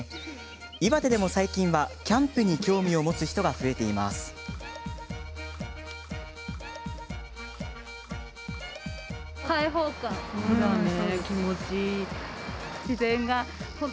岩手でも最近はキャンプに興味を持つ人が増えています。